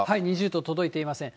２０度届いていません。